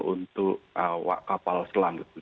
untuk awak kapal selam gitu